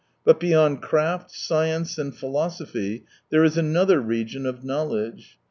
But beyond craft, science, and philosophy there is another region of knowledge.